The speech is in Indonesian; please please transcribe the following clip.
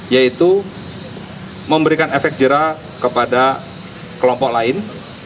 yaitu memberikan efek jerah kepada kelompok lain